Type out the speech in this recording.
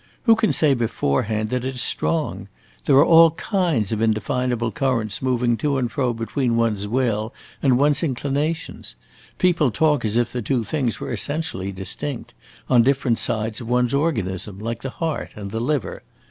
who can say beforehand that it 's strong? There are all kinds of indefinable currents moving to and fro between one's will and one's inclinations. People talk as if the two things were essentially distinct; on different sides of one's organism, like the heart and the liver.